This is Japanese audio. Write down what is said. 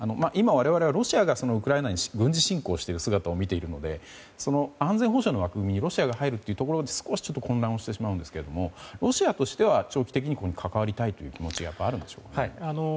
今、我々はロシアがウクライナに軍事侵攻している姿を見ているので安全保障の枠組みにロシアが入るということに少し混乱してしまうんですけれどもロシアとしては長期的に関わりたいという気持ちがあるんでしょうか。